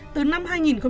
từ năm hai nghìn chín